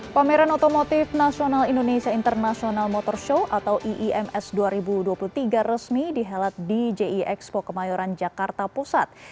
pameran otomotif nasional indonesia international motor show atau iims dua ribu dua puluh tiga resmi dihelat di jie expo kemayoran jakarta pusat